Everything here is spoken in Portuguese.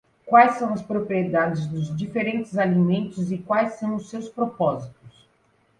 Quais são as propriedades dos diferentes alimentos e quais são seus propósitos?